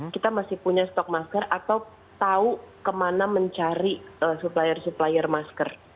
kita masih punya stok masker atau tahu kemana mencari supplier supplier masker